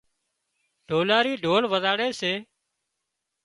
ڍولاري ڍول وزاڙي سي